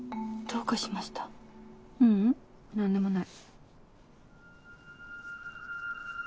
ううん何でもない。